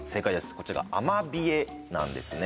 こちらがアマビエなんですね